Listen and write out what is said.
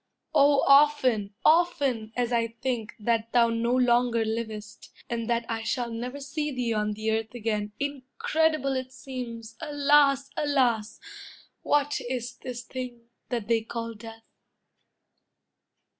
Oh, often, often as I think That thou no longer livest, and that I Shall never see thee on the earth again, Incredible it seems! Alas, alas! What is this thing, that they call death?